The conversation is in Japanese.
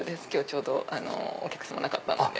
ちょうどお客様いなかったので。